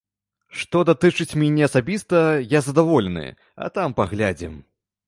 Што датычыць мяне асабіста, я задаволены, а там паглядзім.